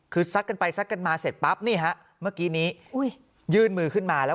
คือสักไปมาเสร็จปลั๊บนี่ฮะเมื่อกี้นี้ยืนมือขึ้นมาแล้ว